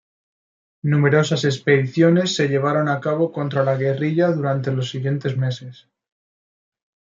Numerosas expediciones se llevaron a cabo contra la guerrilla durante los siguientes meses.